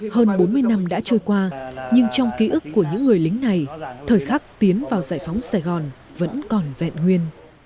hơn bốn mươi năm đã trôi qua nhưng trong ký ức của những người lính này thời khắc tiến vào giải phóng sài gòn vẫn còn vẹn nguyên